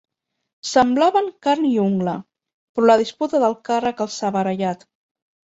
Semblaven carn i ungla, però la disputa del càrrec els ha barallat.